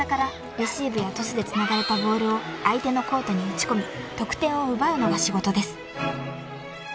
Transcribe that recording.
レシーブやトスでつながれたボールを相手のコートに打ち込み得点を奪うのが仕事です］